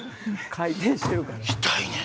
回転してるからな。